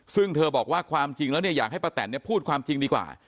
ซึ่งเธอบอกว่าความจริงแล้วเนี่ยอยากให้ป้าแตนพูดความจริงดีกว่า